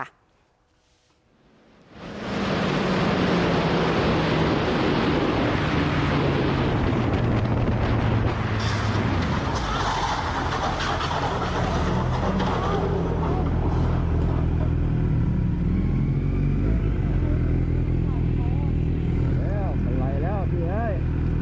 มันไหลแล้วพี่เฮ้ย